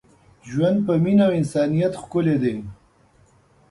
ژوند په مینه او انسانیت ښکلی دی.